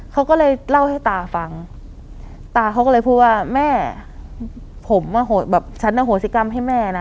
เขาก็เลยเล่าให้ตาฟังตาเขาก็เลยพูดว่าแม่ผมอ่ะโหแบบฉันอโหสิกรรมให้แม่นะ